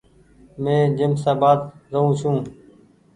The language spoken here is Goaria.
مين جيمشآبآد رهون ڇون۔